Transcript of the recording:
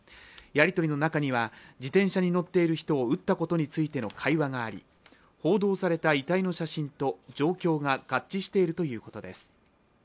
やり取りの中には自転車に乗っている人を撃ったことについての会話があり報道された遺体の写真と状況が合致しているということです。